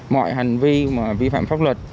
mọi hành vi mà vi phạm pháp luật